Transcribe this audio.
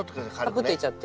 カプッといっちゃって。